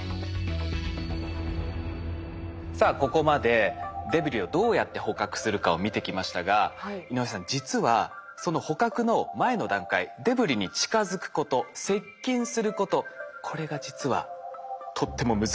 さあここまでデブリをどうやって捕獲するかを見てきましたが井上さん実はその捕獲の前の段階デブリに近づくこと接近することこれが実はとっても難しいんですって。